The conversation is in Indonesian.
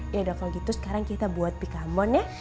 yaudah kalau gitu sekarang kita buat bika ambon ya